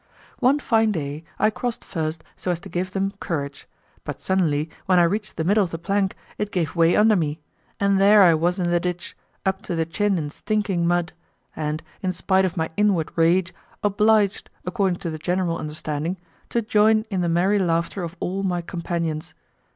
One fine day, I crossed first so as to give them courage, but suddenly, when I reached the middle of the plank, it gave way under me, and there I was in the ditch, up to the chin in stinking mud, and, in spite of my inward rage, obliged, according to the general understanding, to join in the merry laughter of all my companions.